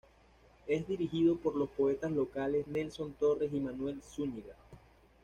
Es dirigido por los poetas locales Nelson Torres y Manuel Zúñiga.